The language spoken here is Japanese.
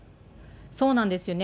そうなんですよね。